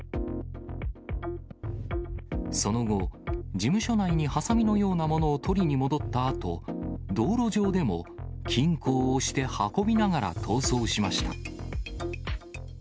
その後、事務所内にはさみのようなものを取りに戻ったあと、道路上でも金庫を押して運びながら逃走しました。